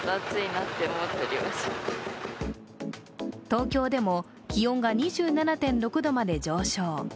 東京でも気温が２７．６度まで上昇。